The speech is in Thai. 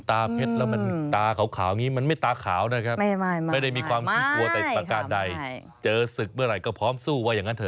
เพชรแล้วมันตาขาวอย่างนี้มันไม่ตาขาวนะครับไม่ได้มีความขี้กลัวแต่ประการใดเจอศึกเมื่อไหร่ก็พร้อมสู้ว่าอย่างนั้นเถ